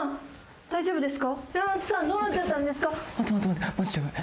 大丈夫ですか？